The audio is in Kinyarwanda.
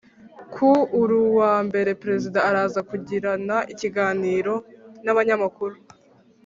Ku uru wa mbere Perezida araza kugirana ikiganiro n’abanyamakuru